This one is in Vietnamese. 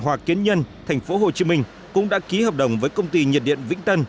nhà máy nhiệt điện hòa kiến nhân thành phố hồ chí minh cũng đã ký hợp đồng với công ty nhiệt điện vĩnh tân